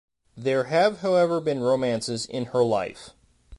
There have however been romances in her life.